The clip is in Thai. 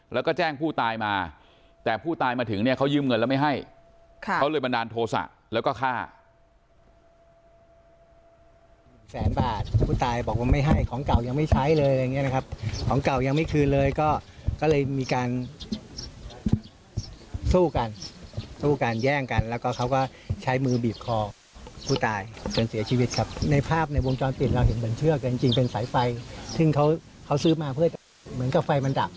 แล้วก็แจ้งผู้ตายมาแต่ผู้ตายมาถึงเนี่ยเขายืมเงินแล้วไม่ให้